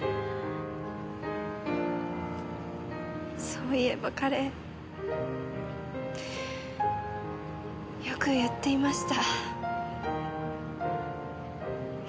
そういえば彼よく言っていました。